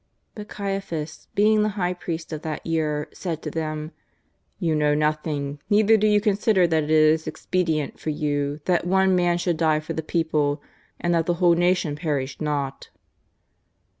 But Caiaphas, being the High Priest of that year, said to them :" You know nothing, neither do you consider that it is expedient for you that one man should die for the people, and that the whole nation perish not."